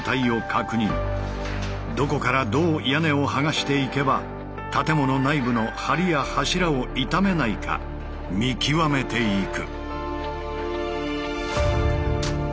どこからどう屋根を剥がしていけば建物内部の梁や柱を傷めないか見極めていく。